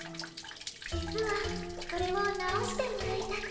実はそれを直してもらいたくて。